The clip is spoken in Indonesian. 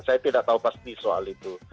saya tidak tahu pasti soal itu